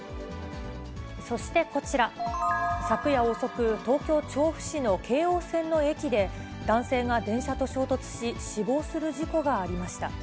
そしてこちら、昨夜遅く、東京・調布市の京王線の駅で、男性が電車と衝突し、死亡する事故がありました。